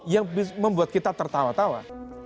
yang membuat kita tertawa tawa